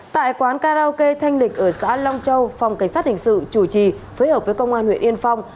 tại quán karaoke thanh lịch ở xã long châu phòng cảnh sát hình sự chủ trì phối hợp với công an huyện yên phong